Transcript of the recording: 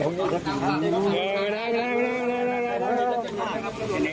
น่าลูก